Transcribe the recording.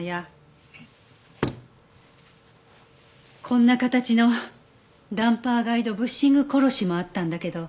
こんな形のダンパーガイドブッシングコロシもあったんだけど。